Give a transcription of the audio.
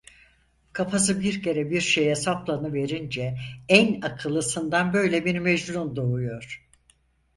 Kafası bir kere bir şeye saplanıverince en akıllısından böyle bir mecnun doğuyor!